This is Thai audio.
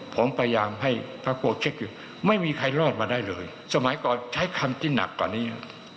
ผมพยายามให้พระโกเช็คอยู่ไม่มีใครรอดมาได้เลยสมัยก่อนใช้คำที่หนักกว่านี้